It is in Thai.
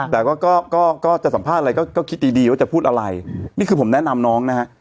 แต่ก็ก็จะสัมภาษณ์อะไรก็คิดดีดีว่าจะพูดอะไรนี่คือผมแนะนำน้องนะฮะ